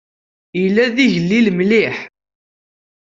Yella d igellil mliḥ.